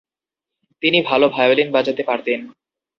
তিনি ভালো ভায়োলিন বাজাতে পারতেন।